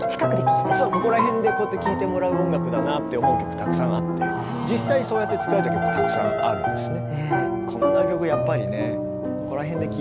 ここら辺でこうやって聴いてもらう音楽だなって思う曲たくさんあって実際そうやって作られた曲たくさんあるんですね。